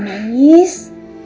kalau kamu nangis